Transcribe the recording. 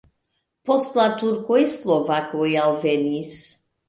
Post la turkoj slovakoj alvenis.